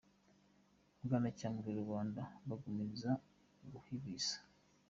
Bwanacyambwe. Rubanda bagumiriza guhwihwisa